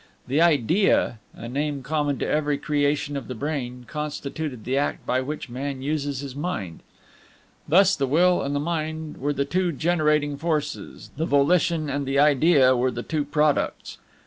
The Idea, a name common to every creation of the brain, constituted the act by which man uses his mind. Thus the Will and the Mind were the two generating forces; the Volition and the Idea were the two products.